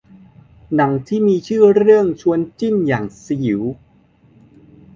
หนังที่มีชื่อเรื่องชวนจิ้นอย่างสยิว